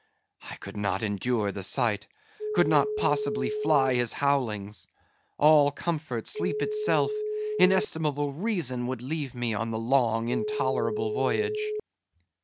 I could not endure the sight; could not possibly fly his howlings; all comfort, sleep itself, inestimable reason would leave me on the long intolerable voyage.